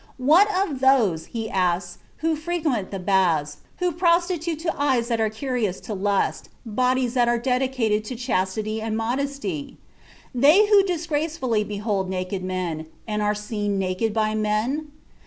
"What of those," he asks, "who frequent baths, who prostitute to eyes that are curious to lust, bodies that are dedicated to chastity and modesty? They who disgracefully behold naked men, and are seen naked by men?